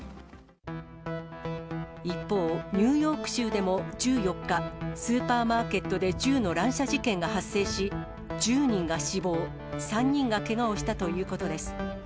一方、ニューヨーク州でも１４日、スーパーマーケットで銃の乱射事件が発生し、１０人が死亡、３人がけがをしたということです。